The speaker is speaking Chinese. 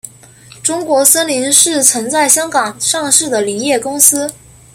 中国森林是曾在香港上市的林业公司。